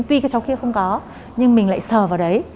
tuy cái cháu kia không có nhưng mình lại sờ vào đấy